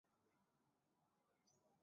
拉利佐尔人口变化图示